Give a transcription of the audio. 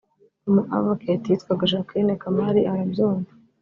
umu avocate witwaga Jacqueline Kamali arabyumva